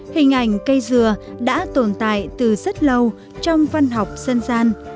hình ảnh cây dừa đã tồn tại từ rất lâu trong văn học dân gian